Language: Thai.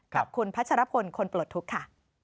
กับคุณพัชรพลคนปลดทุกข์ค่ะ